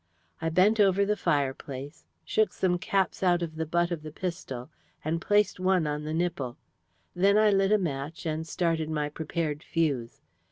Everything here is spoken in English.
I bent over the fireplace, shook some caps out of the butt of the pistol, and placed one on the nipple. Then I lit a match and started my prepared fuse.